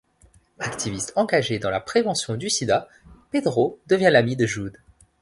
Activiste engagé dans la prévention du sida, Pedro devient l'ami de Judd.